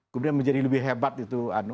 kemudian menjadi lebih hebat itu